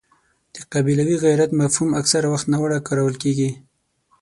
د قبیلوي غیرت مفهوم اکثره وخت ناوړه کارول کېږي.